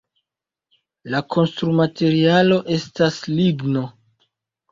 La konstrumaterialo estas ligno.